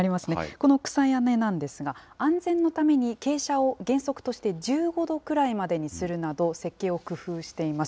この草屋根なんですが、安全のために、傾斜を原則として１５度くらいまでにするなど、設計を工夫しています。